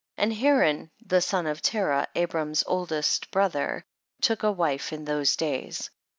1. And Haran, the son of Terah, Abram's oldest brother, took a wife in those days.